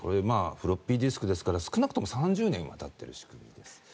フロッピーディスクですから少なくとも３０年はたっている仕組みです。